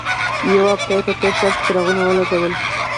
یوه هفته یې په ټول ښار کې څراغونه ولګول.